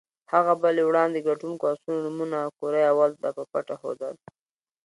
هغه به له وړاندې ګټونکو اسونو نومونه کراول ته په پټه ښودل.